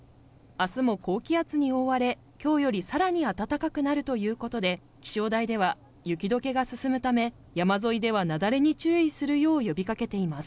明日も高気圧に覆われきょうよりさらに暖かくなるということで気象台では雪どけが進むため山沿いでは雪崩に注意するよう呼びかけています